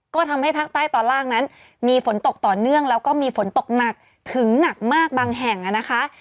ก็ทำให้ภาคใต้ตอนล่างนั้นมีฝนตกต่อเนื่องแล้วก็มีฝนตกหนักถึงหนักมากบางแห่งนะคะ